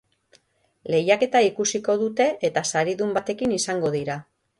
Lehiaketa ikusiko dute eta saridun batekin izango dira.